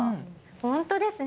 本当ですね。